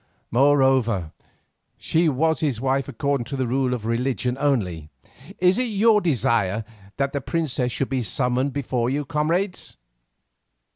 Moreover, she was his wife according to the rule of religion only. Is it your desire that the princess should be summoned before you, comrades?"